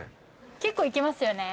結構いきますよね。